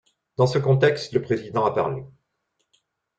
Dans ce contexte, le Président a parlé.